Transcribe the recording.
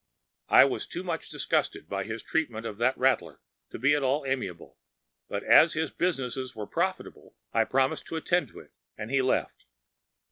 ‚ÄĚ I was too much disgusted with his treatment of that Rattler to be at all amiable, but as his business was profitable, I promised to attend to it, and he left.